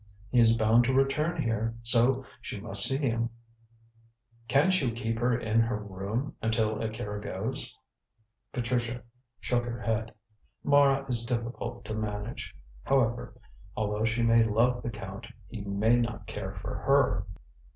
"He is bound to return here, so she must see him." "Can't you keep her in her room until Akira goes?" Patricia shook her head. "Mara is difficult to manage. However, although she may love the Count, he may not care for her.